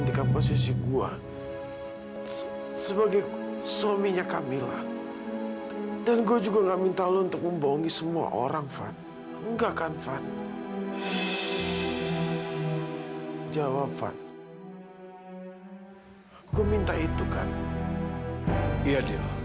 sampai jumpa di video selanjutnya